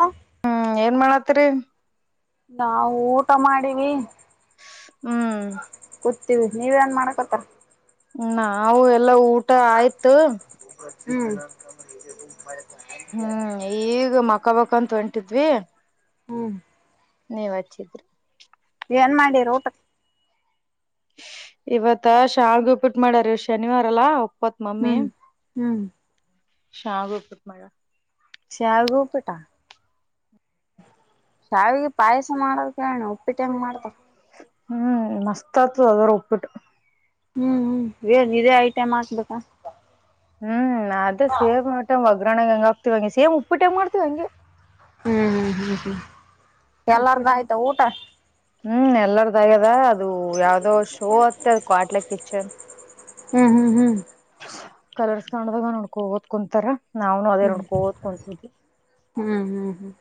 ಹಾ ಹ್ಮ್ ಏನ್ ಮಾಡತ್ರಿ ನಾವು ಊಟ ಮಾಡಿವ ಹ್ಮ್ ನೀವ್ ಏನ್ ಮಾಡ್ಕೊತಾರ ನಾವು ಎಲ್ಲಾ ಊಟ ಆಯ್ತು ಹ್ಮ್ ಹ್ಮ್ ಈಗ ಮಕ್ಕಬಕ್ಕಂತ ಹೊಂಟಿದ್ವಿ ಹ್ಮ್ ನೀವ್ ಹಚ್ಚಿದ್ರಿ ಏನ್ ಮಾಡಿ ಊಟ ಇವತ್ತ ಶಾಗ ಪಿಟ್ಟ ಮಾಡ್ಯಾರ ಶನಿವಾರಲ್ಲಾ ಒಪ್ಪತ್ ಮಮ್ಮಿ ಹ್ಮ್ ಹ್ಮ್ ಶ್ಯಾವಿಗೆ ಉಪ್ಪಿಟ್ಟು ಮಳ ಶ್ಯಾವಿಗೆ ಉಪ್ಪಿಟಾ ಶಾವಿಗೆ ಪಾಯಸ ಮಾಡೋದ ಕಣ ಉಪ್ಪಿಟ್ಟ ಹೆಂಗ್ ಮಾಡ್ತಾರ ಹ್ಮ್ ಮಸ್ತ್ ಆಗ್ತದ ಅದರು ಒಪ್ಪಬಿಟ್ಟು ಹ್ಮ್ ಹ್ಮ್ ಏನ್ ಇದೇ ಐಟೈಮ್ ಹಾಕ್ಬೇಕಾ ಹ್ಮ್ ಅದ ಸೇ್ ಟಮ್ ಒಗ್ಗರಣ ಹೆಂಗ ಹಕ್ತಿವವಿ ಹಂಗೆ ಸೇ್ ಉಪ್ಪು ಟೈಮ ಮಾಡ್ತತಿವಿ ಹಂಗೆ ಹ್ಮ್ ಹ್ಮ್ ಹ್ಮ್ ಹ್ಮ್ ಉಪ್ಪಿಟ ಎಲ್ಲಾರ್ದು ಆಯ್ತಾ ಊಟ ಹ್ಮ್ ಎಲ್ಲಾರ್ದಾಗ್ಯದ ಅದ ಅದು ಯಾವ್ದೋ ಶೋ ಆತ್ತೆ ಅದು ಕ್ವಾಟ್ಲೆ ಕಿಚನ್ ಹ್ಮ್ ಹ್ಮ್ ಹ್ಮ್ ಕಲರ್ಸ್ ಕನ್ನಡದಾಗ ನೋಡ್ಕೋ ಓದ್ಕೊಂತಾರ ನಾವನು ಅದೇ ನೋಡ್ಕೋ ಓದ್ಕೊತಿದಿ ಹ್ಮ್ ಹ್ಮ್ ಹ್ಮ್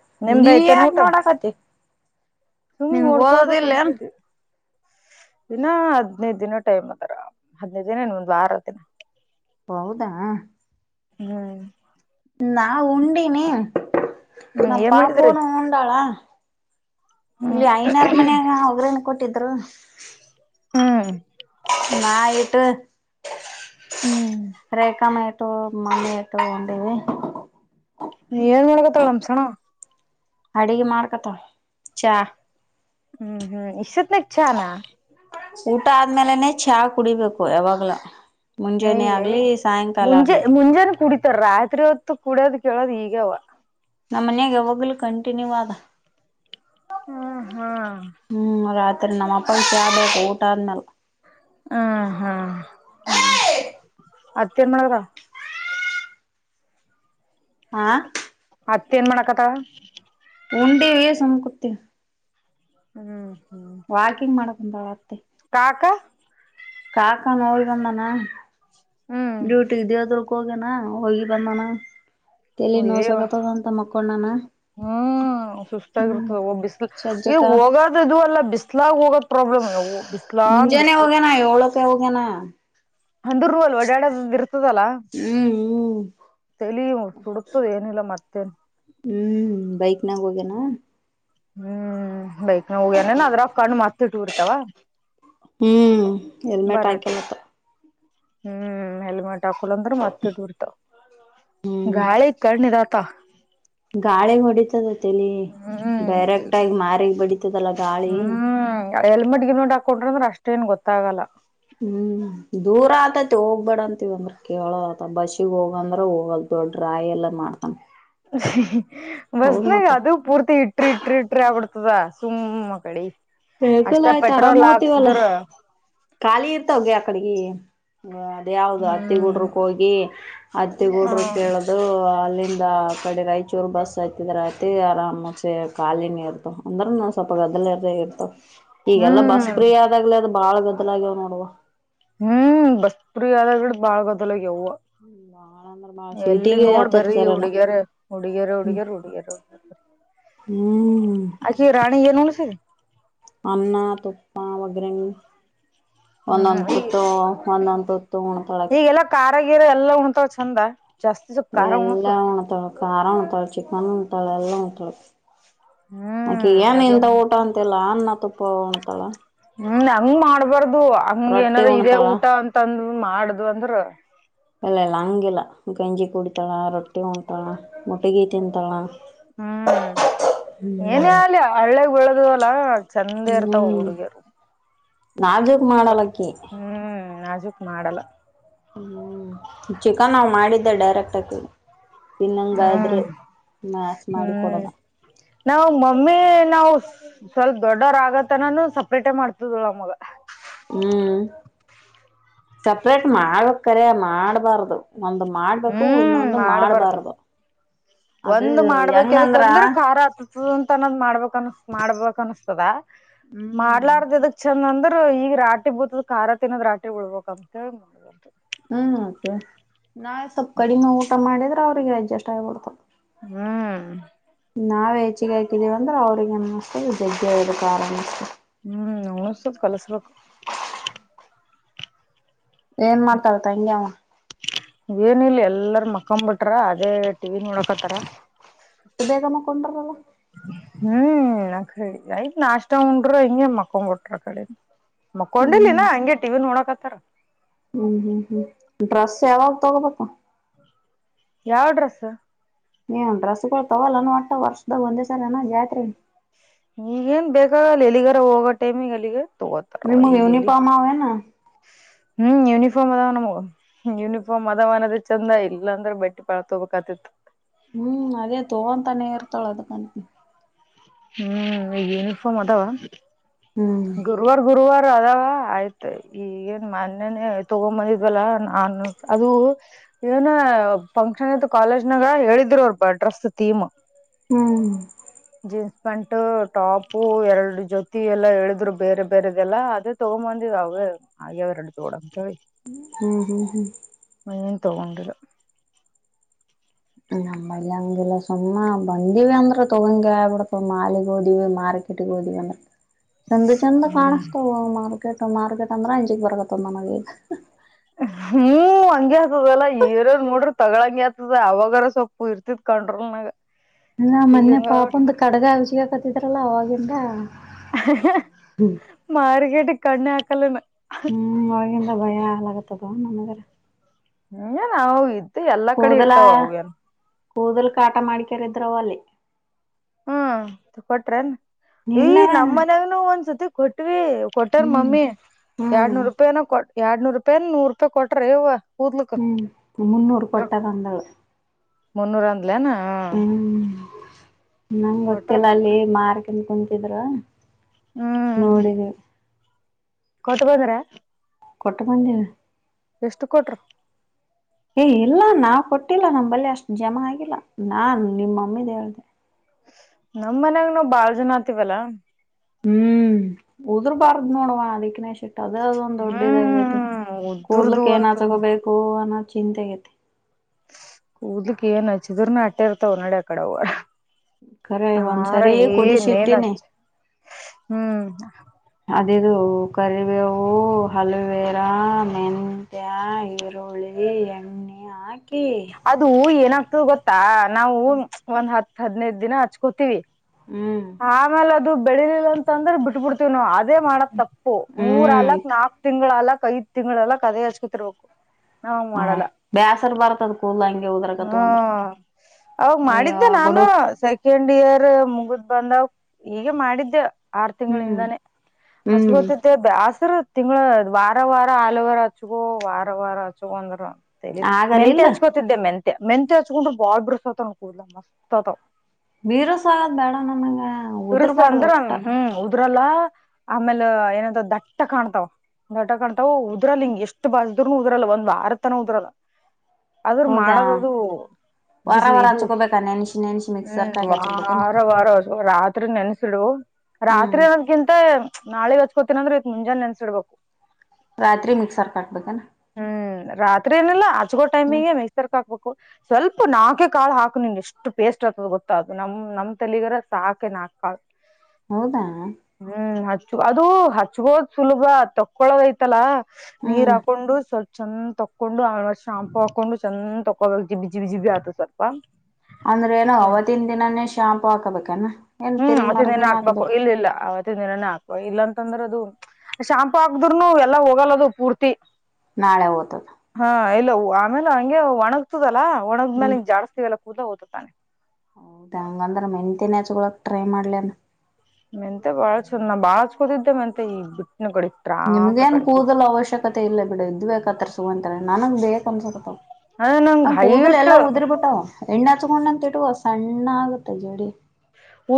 ನೀ ಯಾಕ ಊಟ ನೋಡಕತಿ ಸುಮ್ ನಿಮಗ್ ನೋಡ್ಕೋದ ಓದೋದ ಇಿಲ್ಲನ್ ದಿನ ಹದ್ೈದದು ದಿನ ಟೈಮ್ ಅದಾರ ಹದ್ಿನೈದು ದಿನ ಇನ್ ಒಂದ್ ವಾರ ದಿನ ಹೌದಾ ಹ್ಮ್ ನಾ ಉಂಡಿನಿ ಹ್ಮ್ ನಾ ಏನ್ ಮಾಡಿದ್ರಿ ಪಾಪನು ಉಂಡಳಾ ಇಲ್ಲಿ ಹ್ಮ್ ಐನಾರ ಮನ ಒಗ್ರೇನ ಕೊಟ್ಟಿದ್ರು ಹ್ಮ ನ ಇಟ್ಟು ಹ್ಮ್ ರೇಖಾ ಮಾಡ ಎಷ್ಟೋ ಮನೆ ಎಟ್ಟು ಒಂಡವಿ ಏನ್ ಮಾಡ್ಕತ್ತಾಳಮ್ಸಣ ಅಡಗೆ ಮಾಡ್ಕತ ಚಾ ಹ್ಮ್ ಹ್ಮ್ ಇಷ್ಟತ್ ನಕ್ ಚಾನ ಊಟ ಆದ್ಮೇಲೆನೆ ಚಹಾ ಕುಡಿಬೇಕು ಯಾವಾಗ್ಲ ಮುಂಜಾನೆ ನಯ್ಯೇ ಆಗ್ಲಿ ಸಾಯಂಕಾಲ ಮುಂಜೆ ಆಗ್ಲಿ ಮುಂಜೆಾನ ಕುಡಿತಾರ ರಾತ್ರಿ ಹೊತ್ತು ಕುಡಿಯೋದ ಕೇಳೋದ್ ಈಗವ ನಮ್ಮ ಮನ್ಯಾಗಾವೋಗ್ಲು ಕಂಟಿನ್ಯೂ ಆದ ಹ್ಮ ಹಾ ಹ್ಮ್ ರಾತ್ರಿ ನಮ್ಮ ಅಪ್ಪ ಚಾ ಬು ಊಟ ಆದ್ನಲ್ಲ ಹ್ಮ ಹಾ ಹತ್ತೇನ್ ಮಾಡ್ರ ಹಾ ಅತ್ತೆ ಏನ್ ಮಾಡಕತರಾ ಉಂಡೆವೇ ಸಂಕುತ್ತ ಹ್ಮ್ ಹ್ಮ್ ವಾಕಿಂಗ್ ಮಾಡಕ್ ಒಂದಾಳತ್ತೆ ಕಾಕಾ ಕಾಕಾ ನೋಳಗಮ್ಮನಾ ಹ್ಮ್ ಡ್ಯೂಟಿ ಇದೆಯದ್ರಕ್ಕ ಹೋಗ್ಯನಾ ಹೋಗಿ ಬಂದಾನ ತಲಿ ಅಯ್ಯವ್ವ ನೋಸಕತದ ಅಂತ ಮಕ್ಕೊಂಡ್ಣನ ಹ್ಮ್ ಸುಸ್ತಾಗಿರ್ತದ ಬಿಸಲ ಈ ಸಜ್ಜಕ ಹೋಗದದು ಅಲ್ಲ ಬಿಸ್ಲಾಗ ಹೋಗತ್ತ ಪ್ರಬ್ಲಮ್ ಬಿಸ್ಲಾನ್ ಹೋಗನಾ ಏಳಕ್ಕೆ ಹೋಗನಾ ಅಂದ್ರೂವಲ್ ಡಾಡದ್ದ ಇರ್ತದಲ್ಲಾ ಹ್ಮ್ ಹ್ಮ್ ತಲಿ ಸುಡತದ ಏನಿಲ್ಲ ಮತ್ತೇ. ಹ್ಮ್ ಬೈಕ್ನಾಗ ಹೋಗ್ಯಾನ? ಹ್ಮ್ ಬೈಕ್ ನ ಹೋಗ್ಯಾನ ಅದ್ರಕಣ್ ಮತ್ತ [unintelligible] ಹ್ಮ್ ಹೆಲ್ಮೆಟ್ ಬರಾಟ ಹಾಕಲ್ಲಂತ್ತ. ಹ್ಮ್ ಹೆಲ್ಮೆಟ್ ಹಾಕಿಲ್ಲಂದ್ರೆ ಮತ್ತ [unintelligible] ಹ್ಮ್ ಗಾಳಿ ಕಣ್ [unintelligible] ತ್ತ ಗಾಳಿ ಹೊಡಿತದ ತಲಿ ಹ್ಮ್ ಡೈರೆಕ್ಟಾಗ್ ಮಾರಿಗ್ ಬಡಿತದಲ್ಲ ಗಾಳಿ. ಎಡೆ ಹೆಲ್ಮೆಟ್ ಗಿಲ್ಮೆಟ್ ಹಾಕೊಂಡ್ರದ್ ಅಷ್ಟೇನ್ ಗೊತ್ತಾಗಲ್ಲ. ಹ್ಮ್ ದೂರ ಆತತಿ ಹೋಗ್ಬೇಡಂತೀವ ಅಂದ್ರ ಕೇಳೋತ ಬಸ್ಸಿಗೆ ಹೋಗಂದ್ರ ಹೋಗಲ್ದು ಡ್ರೖವ್ ಎಲ್ಲಾ ಮಾಡ್ತ ಹ ಬಸ್ನಾಗ ಅದು ಪೂರ್ತಿ ಇ ಟ್ರಿಟ್ರಿಟ್ರಿ ಆಗ್ಬುಡ್ತದಾ ಸುಮ್ಮ ಕಳಿ [unintelligible] ಆಯ್ತ್ ಆರಾಮ್ ಹೋತಿವಲ್ಲ ಖಾಲಿ ಇರ್ತವಗೆ ಆಕಡೀ ಹ ಅದ ಯಾವ್ದ್ ಹತ್ತಿ ಹ್ಮ್ ಗುಡ್ರಕ್ ಹೋಗಿ ಹತ್ತಿ ಗುಡ್ರ ಕೇಳದು ತ್ತು ಅಲ್ಲಿಂದ ಆ ಕಡೆ ರಾಯ್ಚೂರು ಬಸ್ ಹತ್ತಿದ್ರಾತ್ರಿ ಆರಾಮ ಖಾಲಿನೆ ಇರ್ತವ್. ಅಂದ್ರ ನಾ ಸ್ವಲ್ಪ ಗದ್ದಲರೇ ಇರ್ತವ ಈಗೆಲ್ಲಾ ಬಸ್ ಹ್ಮ್ ಫ್ರೀ ಆದಾಗ್ಲೆ ಅದ ಬಾಳ್ ಗದ್ದಲ ಆಗ್ಯವ್ ನೋಡುವ. ಹ್ಮ್ ಬಸ್ ಫ್ರೀ ಆದಗಿಂದ್ ಬಾಳ್ ಗೊದ್ದಲ್ಲಾಗಿಯವ್. ಬಾಳ ಅಂದ್ರ ಬಾಳ ಎಲ್ಲಿ ಶೀಟಿಗೆ ನೋಡ್ ಹತ್ತತ್ ಬರಿ ಸರಿಲ್ಲ ಹುಡುಗಿಯರ ಹುಡುಗಿಯರ್ ಹುಡುಗಿಯರ್ ಹುಡುಗಿಯರ್ ಹುಡುಗಿಯರ್ ಹ್ಮ್ ಆಕಿ ರಾಣೀಗೇನ್ ಉಣ್ಸ್ರಿ. ಅನ್ನ ತುಪ್ಪಾ ವಗರಣಿ. ಹ್ಮ್ ಒಂದೊಂದ್ ಈಗ ತತ್ತು ಒಂದೊಂದ್ ಹೊತ್ತು ಉಣ್ತಾಳಕೆ. ಖಾರಗಿರ ಎಲ್ಲ ಉಣ್ತಾವ್ ಚಂದ ಜಾಸ್ ಎಲ್ಲಾ ಉಣ್ತಾಳ ಖಾರ ಉಣ್ತಾಳ ಚಿಕನ್ ಉಣ್ತಾಳೆ ಎಲ್ಲ ಉಣ್ತಾಳ. ಅಕೆ ಹ್ಮ್ ಏನ್ ಎಲ್ಲ ಇಂತ ಊಟ ಅಂತಿಲ್ಲ ಅನ್ನ ತುಪ್ಪ ಉಣ್ತಾಳ. ಹ್ಮ್ ಹಂಗ್ ಮಾಡ್ಬಾರ್ದು ಹಂಗ ರೊಟ್ಟಿ ಏನಾರ ಇದೇ ಉಣ್ತಾಳ ಊಟ ಅಂತಂದ ಮಾಡ್ದ್ ಅಂದ್ರ ಇಲ್ಲೆ ಇಲ್ಲ ಹಂಗಿಲ್ಲ ಗಂಜಿ ಕುಡಿತಾಳ ರೊಟ್ಟಿ ಉಣ್ತಾಳ ಮುಟಗಿ ತಿಂತಾಳ. ಹ್ಮ್ ಏನೇ ಆಲಿ ಹಳ್ಳೇಗ್ ಬೆಳ್ದವಲ್ಲ ಹ್ಮ್ ನಾ ಜ ಹ್ಮ್ ನಾಜೂಕ್ ಮಾಡಲ್ಲ. ಹ್ಮ್ ಚಿಕನ್ನವ್ ಮಾಡಿದ್ದೆ ಡೈರೆಕ್ಟ್ ಆಗಿ. ತಿನ್ನಂಗಾದ್ರು ಹ್ಮ್ ಮಾಶ್ ಮಾಡಿ ಕೊಡಲ್ಲ. ನಾವು ಮಮ್ಮಿ ನಾವು ಸ್ವಲ್ಪ ದೊಡ್ಡವ್ರ್ ಆಗತನಾನು ಸಪ್ರೇಟೇ ಮಾಡ್ತದ ಮಗ. ಹ್ಮ್ ಸಪ್ರೇಟ್ ಮಾಡ ಕರೆ ಮಾಡ್ಬಾರ್ದು. ಒಂದು ಮಾಡ್ಬೇಕು ಇನ್ನೊಂದು ಮಾಡ್ಬಾರ್ದು. ಅದು ಒಂದ್ ಹೆಂಗಂದ್ರ ಮಾಡ್ಬೇಕೆದಕಂದ್ರೆ ಖಾರ ಆತ ಅಂತ ಅನ್ನೋದ್ ಮಾಡ್ಬೇಕ ಅನ್ ಮಾಡ್ಬೇಕ್ ಅನಿಸ್ತದ ಹ್ಮ್ ಮಾಡ್ಲಾರ್ದಿದಕ್ ಚನ್ಅಂದ್ರ ಈಗ ರಾಟಿ ಬೂತದ ಖಾರ ತಿನ್ನೋದಾ ರಾಟಿ ಉಳ್ಬಬೇಕ್ ಅದ್ಕೆ. ಹ್ಮ್ ತ್ತೆ ನಾವೆ ಸೊಪ್ಪ ಕಡಿಮೆ ಊಟ ಮಾಡಿದ್ರೆ ಅವ್ರಿಗೆ ಅಡ್ಜಸ್ಟ್ ಆಗ್ಬಿಡ್ತವ್ ಹ್ಮ್ ನಾವ್ ಹೆಚಿಗೆ ಹಾಕಿದೀವಂದ್ರೆ ಅವ್ರಿಗೆ [unintelligible] ಹ್ಮ್ ಓದ್ಸದ್ ಕಲ್ಸ್ಬೇಕು. ಏನ್ ಮಾಡ್ತಾಳ್ ತಂಗಿ ಅವ ಏನ್ ಇಲ್ಲ ಎಲ್ಲರ ಮಕೊ ಬಿಟ್ರ ಅದೇ ಟಿವಿ ನೋಡಕತ್ತಾರ ಬೇಗ ಮಕ್ಕೊಂಡ್ರಲ್ಲ ಹ್ಮ್ [unintelligible] ನಾಷ್ಟ ಉಂಡ್ರು ಹಿಂಗೆ ಮಕ್ಕೊ ಬಿಟ್ರು ಅಕಡೆ ಹ್ಮ್ ಮಕ್ಕೊಂಡಿಲ್ಲಲಿನ ಹಂಗೆ ಟಿವಿ ನೋಡಕತ್ತಾರ ಹ್ಮ್ ಹ್ಮ್ ಹ್ಮ್ ಡ್ರೆಸ್ ಯಾವಾಗ್ ತೊಗೋಬೇಕು ಯಾವ ಡ್ರೆಸ್ ನೀನ್ ಡ್ರೆಸ್ಗಳು ತಗೊಲೇನ [unintelligible] ವರ್ಷದಾಗ ಒಂದೇ ಸರಿ ಜಾತ್ರಿಗೆ ಈಗೇನ್ ಬೇಕಾಗಲ್ಲ ಎಲ್ಲಿಗಾರ ಹೋಗೋ ಟೈಮಿಗೆ ಅಲ್ಲಿಗೆ ತಗೋತರೆ ನಿಮಗ್ ಈಗ ಎಲ್ಲಿ ಯೂನಿಫಾರ್ಮ್ ಅವೇನ ಹ್ಮ್ ಯೂನಿಫಾರ್ಮ್ಇದಾವೆ ನಮ್ಮವು ಯೂನಿಫಾರ್ಮ್ ಅದವೆ ಅನ್ನದೆ ಚಂದ ಇಲ್ಲ ಅಂದ್ರೆ ಬಟ್ಟಿ ಬಾಳ ತಗೊಬೇಕಾತಿತ್ತು ಹ್ಮ್ ಅದೇ ತಗೋಂತಾನೆ ಇರ್ತಾಳೆ ಅದಕ್ಕಂತ ಹ್ಮ್ ಯೂನಿಫಾರ್ಮ್ ಅದಾವ ಹ್ಮ್ ಗುರುವಾರ ಗುರುವಾರ ಅದ ಆಯ್ತು ಈಗೇನ್ ಮೊನ್ನೆನೆ ತಗೊಬಂದಿದ್ವಲ್ಲ ನಾನು ಅದು ಏನ ಫಂಕ್ಷನ್ ಇತ್ತು ಕಾಲೇಜ್ನಾಗ ಹೇಳಿದ್ರರು ಅವರು ಬ ಡ್ರೆಸ್ ಥೀಮ್ ಹ್ಮ್ ಜೀನ್ಸ್ ಪ್ಯಾಂಟ್ ಟಾಪ್ ಎರಡು ಜೊತಿ ಎಲ್ಲಾ ಹೇಳಿದ್ರು [unintelligible] ಬೇರೆ ಬೇರೆದೆಲ್ಲ ಅದೇ ತಗೊಂಬಂದಿದ್ದು ಅವ ಹಾಗೆರೆಡು [unintelligible] ಹ್ಮ್ ಹ್ಮ್ ಹ್ಮ್ ಹೂ ತಗೊಂಡಿರು ನಮ್ಮಲ್ಲಿ ಹಂಗಿಲ್ಲ ಸುಮ್ಮ ಬಂದಿವಿ ಅಂದ್ರ ತೊಗೊಂಡ ಆಗಬಿಡ್ತು ಮಾಲ್ [unintelligible] ಮಾರ್ಕೆಟ ಇಟ್ಟಬೋದ ಏನ ಚೆಂದ ಚೆಂದ ಹ್ಮ್ ಕಾಣಿಸತವ ಮಾರ್ಕೆಟ್ ಮಾರ್ಕೆಟ್ ಅಂದ್ರ ಅಂಜಿಕ್ ಬರ್ಗತ್ತವ ನಮಗ ಈಗ ಹ್ಮ್ ಹಂಗೆ ಆತದಲ್ಲಾ ಏನೇನ್ ನೋಡ್ರ ತಗೊಳಂಗೆ ಆತದ ಅವಾಗಾರ ಸ್ವಲ್ಪ ಇರ್ತಿತ್ ಕಂಟ್ರೋಲ್ನಗ ಇಲ್ಲ ಮನ್ನೆ ಪಾಪಂದು ಕಡಗ ಹಜಿಕತ್ತಿದ್ರಲ್ಲ ಅವಗಿಂದ ಮಾರಿಕೇಟಿಗ ಕಣ್ಣೆ ಹಾಕಲ್ಲನ ಹ್ಮ್ ಅವಗಿಂದ ಭಯ ಆಗತ್ತದ ನಮಗ [unintelligible] ಕಡೆ ಕೂದಲ ಇರ್ತಾವ ಅವು ಏನ್ ಕೂದಲು ಕಾಟ ಮಾಡಿಕಾರಿದ್ರವು ಅಲ್ಲಿ ಹ್ಮ್ ಕೊಟ್ರೇನ್ ಈ ಇಲ್ಲವನ ನಮ್ಮ್ ಮನ್ಯಾಗನು ಒಂದ್ಸತಿ ಕೊಟ್ವಿ ಕೊಟಾರ ಹ್ಮ್ ಮಮ್ಮಿ ಹ್ಮ್ ಎರ್ಡ್ನೂರು ರೂಪಾಯನ ಎರಡ್ನೂರು ರೂಪಾಯನ ನೂರು ರೂಪಾಯಿ ಕೊಟ್ರೆ ಯವ್ವ ಕೂದ್ಲಲ್ಕ ಹ್ಮ್ ಮುನ್ನೂರು ಕೊಟ್ಟದ ಅಂದಳ ಮುನ್ನೂರು ಅಂದ್ಲೇನು ಹೂ ಹ್ಮ್ ನಂಗ್ ಗೊತ್ತಿಲ್ಲ ರೊಕ್ಕ ಲೆ ಮಾರ್ಕನ್ ಕುಂತಿದ್ರು ಹ್ಮ್ ನೋಡಿದೆ ಕೊಟ್ಟ ಬೋದ್ರ ಕೊಟ್ಟ ಬಂದಿನಿ ಎಷ್ಟು ಕೊಟ್ರು ಏ ಇಲ್ಲ ನಾವ್ ಕೊಟ್ಟಿಲ್ಲ ನಮ ಬಳಿ ಅಷ್ಟು ಜಮಾ ಆಗಿಲ್ಲ ನಾನ್ ನಿಮ್ಮ ಮಮ್ಮಿದ ಹೇಳ್ದ ನಮ್ ಮನ್ಯಾಗ ನಾವು ಬಾಳ ಜನ ಆತಿವಲ್ಲಾ ಹ್ಮ್ ಉದರ್ಬಾರ್ದು ನೋಡುವ ಅದಿಕ್ಕೆ [unintelligible] ಅದೇ ಅದೊಂದ್ ದೊಡ್ಡ ಇದಾಗೈತಿ ಹ್ಮ್ ಕೂದ್ಲಕ ಉದ್ರದು ಏನ ಅಂತ ಹಚ್ಕೋಬೇಕು ಅನ್ನೋ ಚಿಂತೆ ಆಗೈತಿ ಕೂದ್ಲಿಕ್ ಏನ ಹಚ್ಚಿದ್ರುನು ಅಟ್ಟೆ ಇರ್ತಾವ್ ನಡಿ ಆ ಕಡೆವ್ವ ಖರೆ ಹಾರ ಒಂದ್ಸರಿ ಕುದಿಸಿ ಏನ್ ಏನ್ ಇಟ್ಟಿನಿ [unintelligible] ಹ್ಮ್ ಅದ ಇದು ಕರಿಬೇವು ಹಲುವೆರ ಮೆಂತ್ಯ ಒಳ್ಳೆ ಎಣ್ಣೆ ಹಾಕಿ ಅದು ಏನಾಗ್ತದ ಗೊತ್ತಾ ನಾವು ಒಂದ್ ಹತ್ ಹದ್ನೈದ ದಿನ ಹಚ್ಕೋತಿವಿ ಹ್ಮ್ ಆಮೇಲೆ ಅದು ಬೆಳಿಲಿಲ್ಲ ಅಂತಂದ್ರ ಬಿಟ್ಬಿಡ್ತವಿ ನಾವವು ಅದೇ ಮಾಡಕ್ ತಪ್ಪು ಮೂರ್ ಹ್ಮ್ ಅಲಕ್ ನಾಕ್ ತಿಂಗಳಲ್ಲ ಕೈ ತಿಂಗಳಲ್ಲ ಕದ ಹಚ್ಕೊತಿರ್ಬೇಕು ನಾವ್ ಹಂಗ್ ಹ್ಮ ಬೇಸರ್ ಬರತದ ಕೂಲ ಹಂಗೆ ಹ್ಮ ಉದ್ರಕತ್ತು ಅಂದ್ರ ಅವಾಗ ಅಯ್ಯ ಮಾಡಿದ್ದೆ ನಾನು ಬಡು ಸ ಸೆಕೆಂಡ್ ಇಯರ್ ಮುಗುದ್ ಬಂದಾವ ಹೀಗೆ ಮಾಡಿದ್ದೆ ಆರು ಹ್ಮ್ ತಿಂಗಳಿಂದಾನೇ ಹ್ಮ್ ಅಚ್ಗೋತ ಮ ಹಸರು ತಿಂಗಳು ವಾರ ವಾರ ಆಲವಾರ ಆಚ್ಗೋ ವಾರ ವಾರ ಆಚ್ಗೋ ಅಂದ್ರೆ ಮೆಂತೆ ಆಗಲಿಲ್ಲ ಹಚ್ಕೋತಿದ್ದೆ ಮೆಂತೆ ಮೆಂತೆತ್ ಹಚ್ಕೊಂಡು ಬಾಳ್ ಬಿಡ್ ಸತವ ಕೂಡ್ಲ ಮಸ್ತ್ ಸತವ ಬೀರುಸ ಆಗದ್ ಬೇಡ ನನಗೆ ಉದ್ರಬಾಡ್ದ್ ಒಟ್ಟ ಇಬ್ರಲ್ಲಾ ಆಮೇಲ್ ಏನಂತ ದಟ್ಟ ಕಾಣ್ತಾವ ದಟ ಕಂಟಾವವು ಉದ್ರಲ್ಲ ಹಿಂಗ ಎಷ್ಟು ಬಾಸ್ನು ಉದ್ರಲ್ಲ ಒಂದ್ ವಾರತನ ಉದ್ರಲ್ಲ ಅದ್ರ ಹೌದಾ ಮಾಡದದು ವಾರ ಬಿಸಿಲು ವಾರ ಇದು ಹಚ್ಕೋಬೇಕಾ ನೆನ್ಸಿ ನೆನ್ಸಿ ಹ್ಮ್ ಮಿಕ್ಸರ್ಕಾಗಿ ಹಚ್ಕೋಬೇಕೇನ್ ವಾರ ರಾತ್ರಿ ನೆನ್ಸಿಡು ಹ್ಮ್ ರಾತ್ರಿ ಅನ್ನೋದ್ಕಿಂತ ನಾಳ ಹಚ್ಕೋತನಂದ್ರೆ ಇ ಮುಂಜಾನೆಸಿಡ್ಬೇಕು ರಾತ್ರಿ ಮಿಕ್ಸರ್ ಕಾಟ್ಬೇಕನಾ ಹ್ಮ್ ರಾತ್ರಿ ಏನಿಲ್ಲಾ ಆಚ್ಗೋ ಹ್ಮ್ ಟೈಮಿಗೆಗೆ ಮಿಕ್ಸರ್ ಕ ಹಾಕ್ಬೇಕು ಸ್ವಲ್ಪ ನಾಕೆ ಕಾಳು ಹಾಕು ನಿನ್ ಎಷ್ಟು ಪೇಸ್ಟ್ ಆಗ್ತದ ಗೊತ್ತಾಗದು ನಮ್ ನಮ್ಮ ತಲಿಗರ ಸಾಕೆ ನಾಕಕ್ ಕಾಳು ಹೌದಾ ಹ್ಮ್ ಹಚ್ಚ ಅದು ಹಚ್ಕೋದ್ ಸುಲಭ ತಕ್ಕೊಳೋದ ಐತಲ್ಲಾ ನೀರ್ ಹ್ಮ್ ಹಾಕೊಂಡು ಸ್ವಲ್ಪ ಚಂದ ತಕೊಂಡು ಶಾಂಪು ಹಾಕೊಂಡು ಚಂದ ತೊಂಡು ಕಾಗಿ ಬಿಜಿ ಬಿಜಿತು ಸರ್ ಅಂದ್ರೆ ಏನೋ ಅವತ್ತಿನ ದಿನಾನೇ ಶಾಂಪು ಹಾಕಬೇಕನಾ ಹ್ಮ್ ಮತ್ತೆನ್ನೇನ್ ಹಕ್ಬೇಕು ಇಲ್ಲಿ ಇಲ್ಲ ನ ಹಾಕ ಇಲ್ಲಾಂತಂದ್ರೆ ಅದು ಶಾಂಪು ಹಾಕದರುನು ಎಲ್ಲಾ ಹೋಗಲ್ಲದು ಪೂರ್ತಿ ನಾಳೆ ಹೊತ ಹಾ ಇಲ್ಲ ಆಮೇಲೆ ಹಂಗೆ ಒಣಗ್ತದಲ್ಲಾ ಹ್ಮ್ ಒಣಗ್ಮೇಲೆಂ ಜಾಸ್ತಿಲ್ಲ ಕೂದಾ ಓ್ತತಾನೆ ಇದ ಹಂಗಂದ್ರೆ ಮೆಂತೆನಚ್ಗಳಕ್ ಟ್ರೈ ಮಾಡ್ಲನ್ ಮೆಂತೆ ಬಾಳ ಚಂದ ನಾ ಬಾಳಚ್ಕೋದಿದ್ದೆ ಮೆಂತೆತ್ ಈಗ್ ಗಿಫಿನ ಕೊಡೆ ನಿಮ್ಗ ಏನ್ ಕೂದಲು ಅವಶ್ಯಕತೆ ಇಲ್ಲ ಬಿಡ ಇದ್ ಬೇಕ ತರ್ಸುವಂತ ನಂಗಗ್ ಬೇಕಕ್ ಅನ್ಸತಾವ ಅದ ನಂಗ್ ನಮ್ ಕೂದಲು ಹೈಟ್ ಎಲ್ಲಾ ಉದ್ರ ಬಿಟ್ಟ ಎಣ್ಣೆ ಹಚ್ಕೊಂಡಂತ ಇಟ್ಟುವ ಸಣ್ಣ ಆಗತ್ತೆ ಜೋಡಿ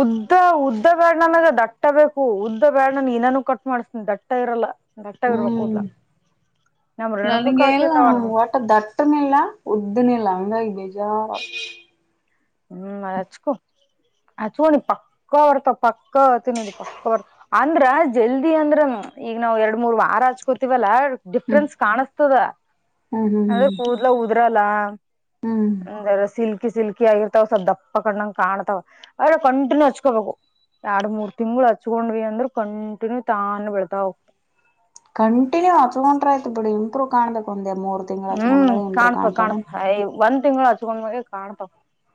ಉದ್ದ ಉದ್ದ ಬ್ಯಾಡ್ಣನಾಗ ದಟ್ಟ ಬೇಕು ಉದ್ದ ಬ್ಯಾಡ್ಣ ನಾನೂ ಕಟ್ ಮಾಡಿಸತನಿ ದಟ್ಟ ಇರಲ್ಲ ಗಟ್ಟಗ ಇರ್ಬೇಕ ಹ್ಮ್ ಕೂದಲಾ ನಮ್ ರೆಣಕಕ್ ಹಾಕಿಂದವನು ದಟ್ಟನ ಇಲ್ಲ ಉದ್ದನ ಇಲ್ಲ ಅವಂಗಾಗಿ ಬೇಜಾರು ಹ್ಮ್ ಹಚ್ಕೋ ಹಚ್ಕೋಣಿ ಪಕ್ಕ ಅವರ್ತ ಪಕ್ಕ ತಿನ್ನದು ಪ ಅಂದ್ರ ಜಲ್ದಿ ಅಂದ್ರ ಈಗ ನಾವ್ ಎರಡ್ ಮೂರ್ ವಾರ ಹಚ್ಕೋತಿವಲ್ಲಾ ಹ್ಮ್ ಡಿಫ್ರೆನ್ಸ್ ಕಾಣಸ್ತದ ಹ್ಮ್ ಹ್ಮ್ ಅಂದ್ರೆ ಹ್ಮ್ ಕೂದ್ಲ ಉದ್ರಲ್ಲ ಹ್ಮ್ ಅ್ರ ಸಿಲ್ಕಿ ಸಿಲ್ಕಿ ಆಗಿರ್ತ ಸ್ವಲ್ ದಪ್ಪ ಕಣ್ಣಂಗ್ ಕಾಣ್ತವ ಅವ್ರ ಕಂಟಿನ್ಯೂ ಹಚ್ಕೋಬೇಕು ಎರಡ್ ಮೂರ್ ತಿಂಗಳು ಹಚ್ಕೊಂಡ್ರಿ ಅಂದ್ರರು ಕಂಟಿನ್ಯೂ ತಾನು ಬೆಳ್ತಾ ಹೋಗ ಕಂಟಿನ್ಯ ಹಚ್ಕೊಂಡ್ರ ಆಯ್ತ ಬಿಡಿ ಇಂಪ್ರೂವ್ ಕಾಣಬೇಕ ಒಂದೇ ಮೂರು ತಿಂಗಗಳು ಹಚ್ಕೊಂಡ್ಗಳ ಇಂಪೂ ಕಾಣ್ತದ ಅಯ ಒಂದ್ ತಿಂಗ್ಗಳು ಹಚ್ಕೊಂಡ ಮಾಗೆ ಕಾಣ್ತವ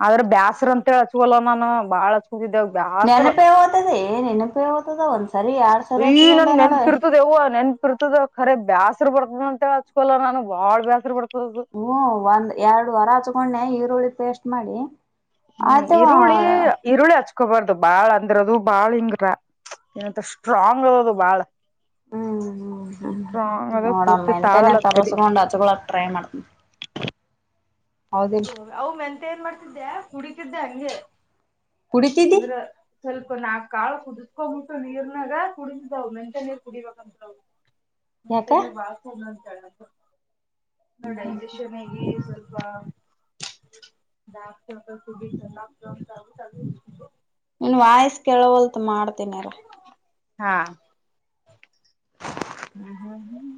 ಆದ್ರೆ ಬ್ಯಾಸ್ರ ಅಂತೇಳಿ ಹಚ್ಕೊಲ್ಲ ನಾನ ಬಾಳ್ ಅಚ್ಕ ದುಗದಾ ನೆನಪೇ ತದ ನೆನಪೇ ಓ್ತದ ಒಂದ್ಸರಿ ಎರಡ್ ಸರಿ ಅಯ್ಯ ಆಯತಂಡ ನನ್ ನೋಡ ನೆನ್ಪಿರ್ತದ ಯವ್ವ ನೆನ್ಪಿರ್ತದ ಕರೆ ಬ್ಯಾಸ್ರ್ ಬರ್ತದಂತ್ ಹೇಳ್ ಹಚ್ಕೊಲ್ಲ ನಾನು ಬಾಳ್ ಬ್ಯಸ್ರು ಬರ್ತದದು. ಹ್ಮ್ಮ್ ಒಂದ್ ಎರ್ಡ್ ವಾರ ಹಚ್ಕೊಂಡ್ನ್ಯ ಈರುಳ್ಳಿ ಪೇಸ್ಟ್ ಮಾಡಿ. ಹ್ಮ್ ಆತವ. ಈರುಳ್ಳಿ ಈರುಳ್ಳಿ ಹಚ್ಕೋಬಾರ್ದು ಬಾಳ್ ಅಂದ್ರದು ಬಾಳ್ ಹಿಂಗ್ರಾ ಏನಂತರ್ ಸ್ಟ್ರಾಂಗ್ ಅದದು ಬಾಳ. ಹ್ಮ್ಮ್ ಸ್ಟ್ರಾಂಗ್ ಅದ ನೋಡಮ್ಮ ನಮ್ ಪೂರ್ತಿ ಮಂತೆನನ್ ತಾಳಲತ್ತರಿ ತರುಸ್ಕೊಂಡ್ ಹಚ್ಕೊಳಕ್ ಟ್ರೈ ಮಾಡ್ತನ್. ಹೌದಿಲ್. ಅವ್ ಮೆಂತೆ ಏನ್ ಮಾಡ್ತಿದ್ದೆ ಕುಡಿತಿದ್ದೆ ಹಂಗೆ. ಕುಡಿತ್ ಅಂದ್ರ ಸ್ವಲ್ಪ ನಾಕ್ ಕಾಳ ಕುುದಿಸಕೊಂಬಿಟ್ಟು ನೀರ್ನಾಗ ಕುಡೀತಿದಾವ್ ಮೆಂತೆ ನೀರ್ ಕುಡಿಬಕಂತ್. [inaudible] ಮೆಂತೆ ಯಾಕ ನೀರ್ ಬಾಳ ಕುಡುದ್ರಂದ್ರ ತೆಳ್ಗಾಕರ್ ಮತ್ತೆ ಡೈಜೆಷನಿಗ್. [unintelligible] ನೀನ್ ವಾಯ್ಸ್ ಕೆೇಳವಲ್ದು ಮಾಡ್ತಿನಿರು. ಹಾ. ಹ್ಮ ಹ್ಮ್ ಹ್ಮ್.